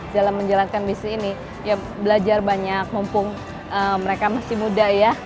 dalam menjalankan bisnis ini ya belajar banyak mumpung mereka masih muda ya